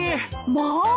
まあ。